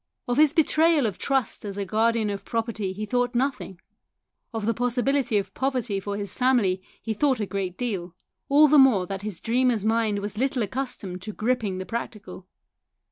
Of his betrayal of trust as a guardian of property he thought nothing ; of the possibility of poverty for his family he thought a great deal all the more that his dreamer's mind was little accustomed to gripping the prac tical.